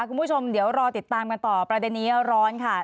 คุณผู้ชมเดี๋ยวรอติดตามกันต่อประเด็นนี้ร้อนค่ะ